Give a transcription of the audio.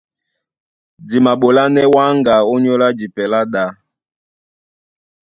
Di maɓolánɛ́ wáŋga ónyólá jipɛ lá ɗá.